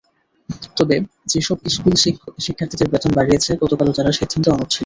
তবে যেসব স্কুল শিক্ষার্থীদের বেতন বাড়িয়েছে গতকালও তারা সিদ্ধান্তে অনড় ছিল।